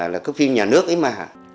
là cứ phim nhà nước ấy mà